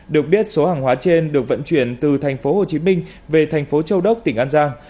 được biết số hàng hóa trên được vận chuyển từ thành phố hồ chí minh về thành phố châu đốc tỉnh an giang